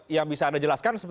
yang bisa anda jelaskan